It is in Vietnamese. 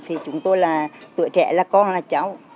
thì chúng tôi là tuổi trẻ là con là cháu